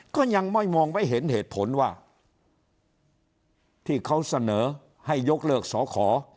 ก็ยังไม่มองไว้เห็นเหตุผลว่าที่เขาเสนอให้ยกเลิกสอขอ